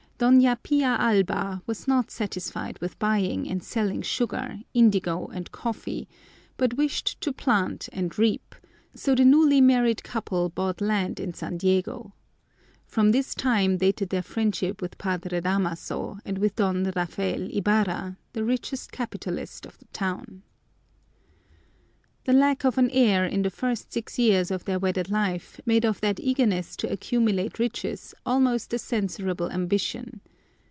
Doña Pia Alba was not satisfied with buying and selling sugar, indigo, and coffee, but wished to plant and reap, so the newly married couple bought land in San Diego. From this time dated their friendship with Padre Damoso and with Don Rafael Ibarra, the richest capitalist of the town. The lack of an heir in the first six years of their wedded life made of that eagerness to accumulate riches almost a censurable ambition.